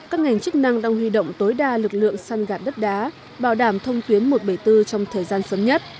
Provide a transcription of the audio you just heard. các ngành chức năng đang huy động tối đa lực lượng săn gạt đất đá bảo đảm thông tuyến một trăm bảy mươi bốn trong thời gian sớm nhất